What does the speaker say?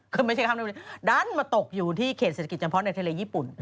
คือไม่ใช่คำนี้ดันมาตกอยู่ที่เขตเศรษฐกิจเฉพาะในทะเลญี่ปุ่น